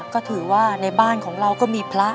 ก็ถือว่าในบ้านของเราก็มีพระ